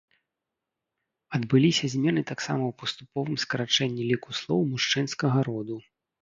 Адбыліся змены таксама ў паступовым скарачэнні ліку слоў мужчынскага роду.